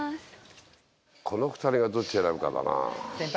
この２人がどっち選ぶかだな先輩